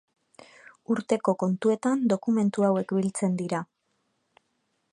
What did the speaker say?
Urteko kontuetan dokumentu hauek biltzen dira.